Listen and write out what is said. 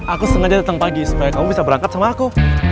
aku sengaja datang pagi supaya kamu bisa berangkat sama aku